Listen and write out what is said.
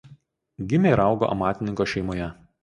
Gimė ir augo amatininko šeimoje.